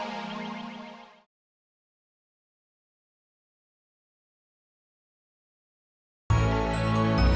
meski kamu hanyalah isyarat